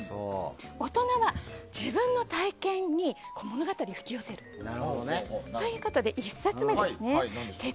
大人は、自分の体験に物語を引き寄せるということで１冊目ですね。